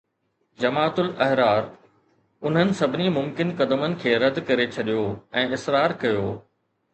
جماعت الاحرار انهن سڀني ممڪن قدمن کي رد ڪري ڇڏيو ۽ اصرار ڪيو